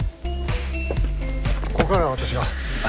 ここからは私が。